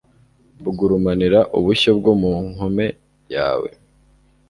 bugurumanira ubushyo bwo mu nkome yawe?